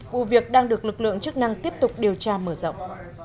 vụ việc đang được lực lượng chức năng tiếp tục điều tra mở rộng